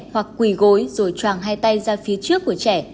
hoặc quỳ gối rồi tròng hai tay ra phía trước của trẻ